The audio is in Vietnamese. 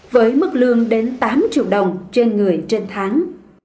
với mức lương đến tám triệu đồng trên người trên tháng